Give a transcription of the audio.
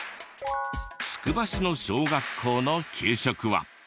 つくば市の小学校の給食は。